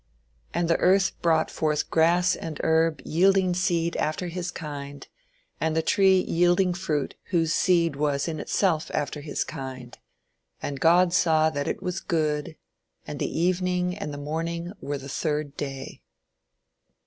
And the earth brought forth grass and herb yielding seed after his kind, and the tree yielding fruit whose seed was in itself after his kind; and God saw that it was good, and the evening and the morning were the third day."